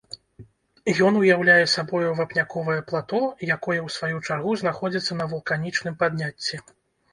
Ён уяўляе сабою вапняковае плато, якое ў сваю чаргу знаходзіцца на вулканічным падняцці.